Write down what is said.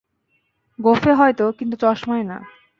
গোঁফে হয়তো, কিন্তু চশমায় না।